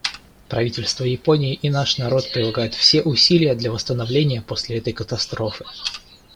Правительство Японии и наш народ прилагают все усилия для восстановления после этой катастрофы.